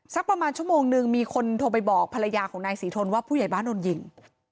สักประมาณชั่วโมงนึงมีคนโทรไปบอกภรรยาของนายศรีทนว่าผู้ใหญ่บ้านโดนยิง